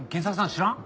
知らん？